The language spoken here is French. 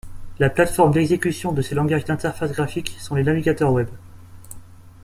La plateforme d'exécution de ces langages d'interface graphique sont les navigateurs webs.